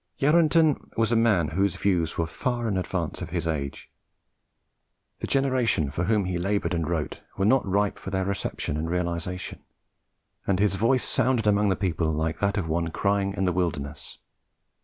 Yarranton was a man whose views were far in advance of his age. The generation for whom he laboured and wrote were not ripe for their reception and realization; and his voice sounded among the people like that of one crying in the wilderness.